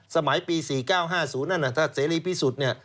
สมัยปี๔๙๕๐นั่นถ้าเสรีพิสุทธิ์เนี่ย